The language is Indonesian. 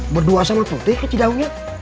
berdua sama putih kecil daunya